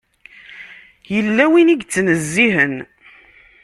Yella win i yettnezzihen.